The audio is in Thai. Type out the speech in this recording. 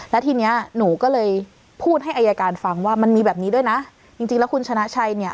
แล้วทีเนี้ยหนูก็เลยพูดให้อายการฟังว่ามันมีแบบนี้ด้วยนะจริงจริงแล้วคุณชนะชัยเนี่ย